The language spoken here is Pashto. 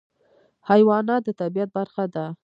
حیوانات د طبیعت برخه ده.